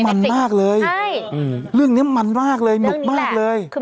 เป็นการกระตุ้นการไหลเวียนของเลือด